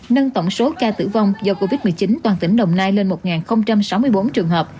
nâng tổng số ca tử vong do covid một mươi chín toàn tỉnh đồng nai lên một